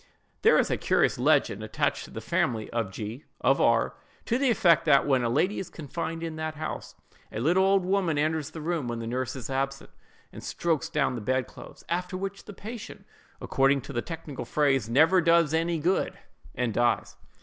There is a curious legend attached to the family of G——, of R——, to the effect that, when a lady is confined in that house, a little old woman enters the room when the nurse is absent, and strokes down the bed clothes; after which the patient, according to the technical phrase, "never does any good," and dies.